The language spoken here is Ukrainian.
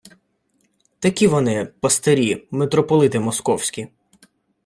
Такі вони, пастирі, митрополити московські